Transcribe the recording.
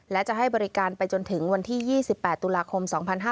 และจะให้บริการไปจนถึงวันที่๒๘ตุลาคม๒๕๕๙